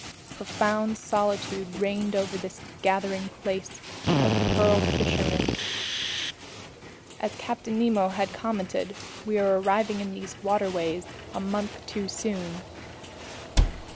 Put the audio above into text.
Profound solitude reigned over this gathering place of pearl fishermen. As Captain Nemo had commented, we were arriving in these waterways a month too soon.